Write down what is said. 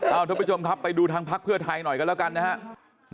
เอาทุกผู้ชมครับไปดูทางพักเพื่อไทยหน่อยกันแล้วกันนะครับ